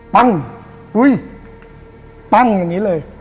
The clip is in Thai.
ปั้งปั้งอย่างนี้เลย